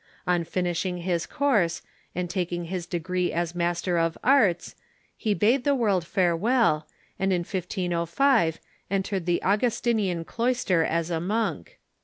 On finishing his course, and taking his degree as master of arts, he bade the world farewell, and in 1505 entered the Augus tinian cloister as a monk.